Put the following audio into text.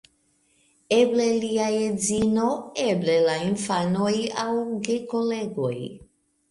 Eble lia edzino, eble la infanoj aŭ gekolegoj.